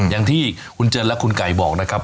อย่างที่คุณเจนและคุณไก่บอกนะครับ